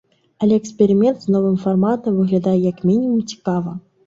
Але эксперымент з новым фарматам выглядае як мінімум цікава.